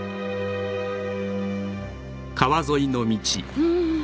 うん。